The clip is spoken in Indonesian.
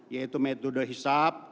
yaitu metode hisap